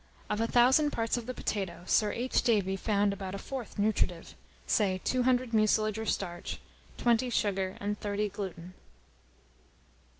Of a thousand parts of the potato, Sir H. Davy found about a fourth nutritive; say, 200 mucilage or starch, 20 sugar, and 30 gluten.